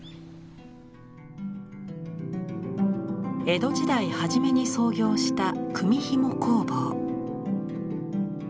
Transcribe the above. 江戸時代初めに創業した組紐工房。